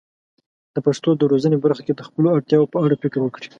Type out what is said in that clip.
د پښتو د روزنې په برخه کې د خپلو اړتیاوو په اړه فکر وکړي.